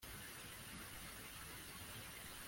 Uyu ni ibihe byiza